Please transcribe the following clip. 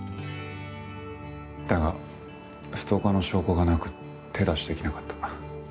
だがストーカーの証拠がなく手出しできなかった。